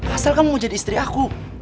asal kamu mau jadi istri aku